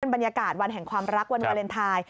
บรรยากาศวันแห่งความรักวันวาเลนไทย